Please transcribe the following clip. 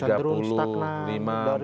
dari tiga puluh tiga puluh lima empat puluh